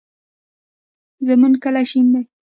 زمونږ کلی شین دی